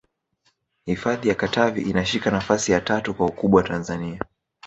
hifadhi ya katavi inashika nafasi ya tatu kwa ukubwa tanzania